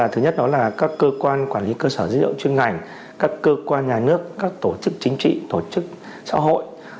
thứ nhất đó là các cơ quan quản lý cơ sở dữ liệu chuyên ngành các cơ quan nhà nước các tổ chức chính trị tổ chức xã hội